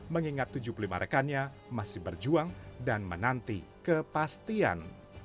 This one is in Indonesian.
mengingat tujuh puluh lima rekannya masih berjuang dan menanti kepastian